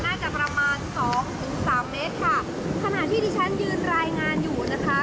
น่าจะประมาณสองถึงสามเมตรค่ะขณะที่ที่ฉันยืนรายงานอยู่นะคะ